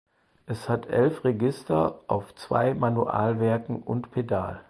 Es hat elf Register auf zwei Manualwerken und Pedal.